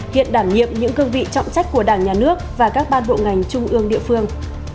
hiện đảm nhiệm những cương vị trọng trách của đảng nhà nước và các ban bộ ngành trung ương địa phương